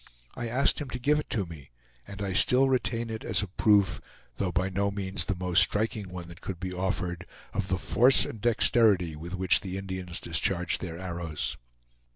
I asked him to give it to me, and I still retain it as a proof, though by no means the most striking one that could be offered, of the force and dexterity with which the Indians discharge their arrows.